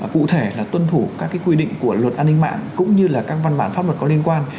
cụ thể là tuân thủ các quy định của luật an ninh mạng cũng như là các văn bản pháp luật có liên quan